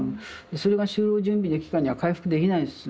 それが就労準備の期間には回復できないです。